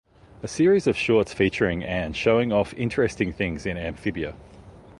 A series of shorts featuring Anne showing off the interesting things in Amphibia.